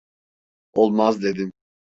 Olmaz dedim!